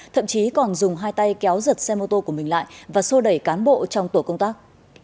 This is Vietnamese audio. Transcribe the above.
thậm chí còn dùng hai tay kéo giật xe mô tô của mình lại và sô đẩy cán bộ trong tổ công tác